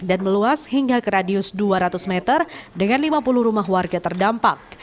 dan meluas hingga ke radius dua ratus meter dengan lima puluh rumah warga terdampak